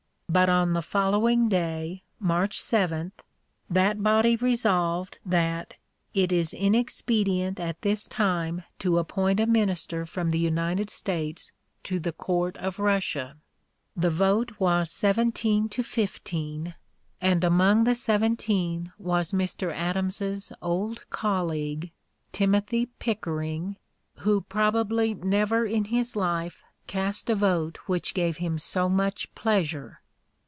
But on the following day, March 7, that body resolved that "it is inexpedient at this time to appoint a minister from the United States to the Court of Russia." The vote was seventeen to fifteen, and among the seventeen was Mr. Adams's old colleague, Timothy Pickering, who probably never in his life cast a vote which gave him so much (p. 070) pleasure.